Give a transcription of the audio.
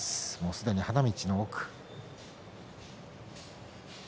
すでに花道の奥。